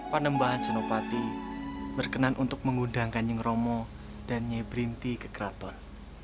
panembahan senopati berkenan untuk mengundangkan nyengromo dan nyai berinti ke keraton